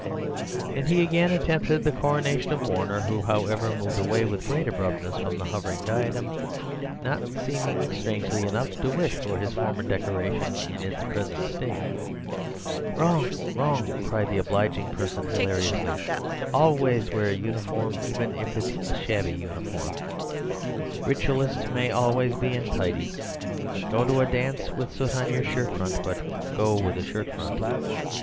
And he again attempted the coronation of Warner, who, however, moved away with great abruptness from the hovering diadem; not seeming, strangely enough, to wish for his former decoration in its present state. "Wrong, wrong!" cried the obliging person hilariously. "Always wear uniform, even if it's shabby uniform! Ritualists may always be untidy. Go to a dance with soot on your shirt front; but go with a shirt front.